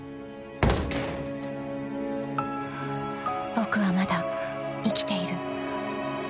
［僕はまだ生きている］